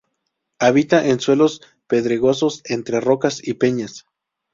Habita en suelos pedregosos, entre rocas y peñas.